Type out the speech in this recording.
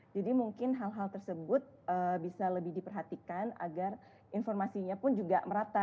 jadi mungkin hal hal tersebut bisa lebih diperhatikan agar informasinya pun juga merata